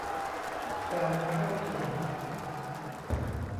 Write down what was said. การเข้าถึง